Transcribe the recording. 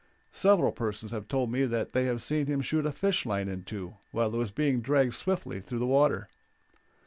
Several persons have told me that they have seen him shoot a fish line in two while it was being dragged swiftly through the water.